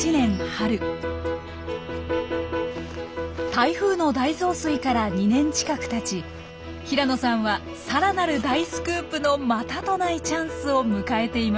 台風の大増水から２年近くたち平野さんはさらなる大スクープのまたとないチャンスを迎えていました。